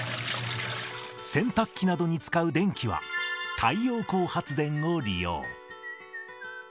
洗濯機などに使う電気は、太陽光発電を利用。